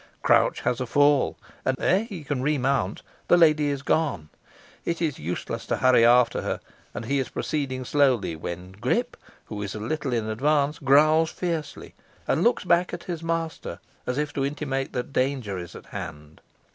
Crouch has a fall, and ere he can remount the lady is gone. It is useless to hurry after her, and he is proceeding slowly, when Grip, who is a little in advance, growls fiercely, and looks back at his master, as if to intimate that danger is at hand.